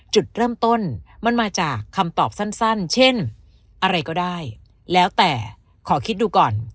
จุดเริ่มต้นมันมาจากคำตอบสั้นเช่นอะไรก็ได้แล้วแต่ขอคิดดูก่อน